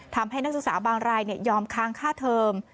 นักศึกษาบางรายยอมค้างค่าเทอม